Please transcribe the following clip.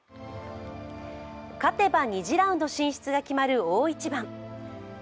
勝てば２次ラウンド進出が決まる大一番。